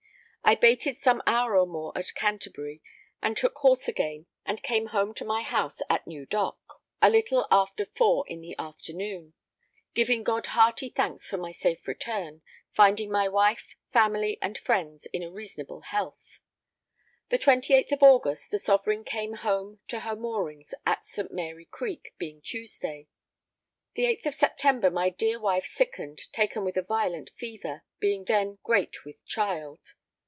I baited some hour or more at Canterbury, and took horse again and came home to my house [at] New Dock a little after four in the afternoon; giving God hearty thanks for my safe return, finding my wife, family and friends in a reasonable health. The 28th of August, the Sovereign came safe to her moorings at St. Mary Creek, being Tuesday. The 8th of September my dear wife sickened, taken with a violent fever, being then great with child.